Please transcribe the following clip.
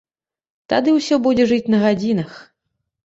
Тады ўсё будзе жыць на гадзінах.